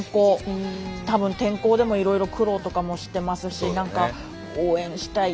たぶん天候でもいろいろ苦労とかもしてますし何か応援したい